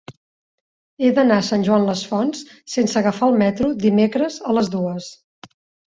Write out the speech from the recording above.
He d'anar a Sant Joan les Fonts sense agafar el metro dimecres a les dues.